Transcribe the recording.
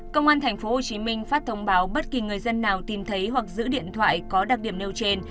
công an tp hcm phát thông báo bất kỳ người dân nào tìm thấy hoặc giữ điện thoại có đặc điểm nêu trên